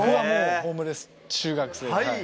ホームレス中学生。